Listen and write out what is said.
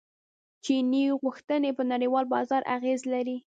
چیني غوښتنې په نړیوال بازار اغیز لري.